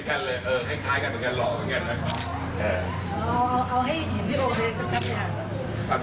เอ่อเข้าให้เห็นพี่โอวารุใดสักอย่าง